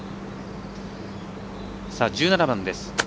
１７番です。